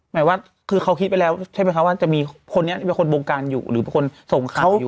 หมายว่าคือเขาคิดไปแล้วใช่ไหมคะว่าจะมีคนนี้เป็นคนวงการอยู่หรือเป็นคนส่งเขาอยู่